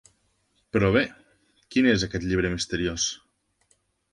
Però, bé…quin és aquest llibre misteriós.